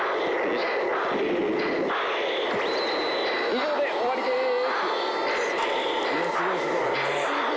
以上で終わりです。